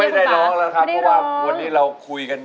เพื่อจะไปชิงรางวัลเงินล้าน